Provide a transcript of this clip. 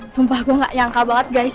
sumpah gue gak nyangka banget guys